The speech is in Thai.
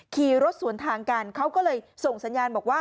ขี่รถสวนทางกันเขาก็เลยส่งสัญญาณบอกว่า